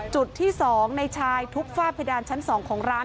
จุดที่๒ในชายทุบฝ้าเพดานชั้น๒ของร้าน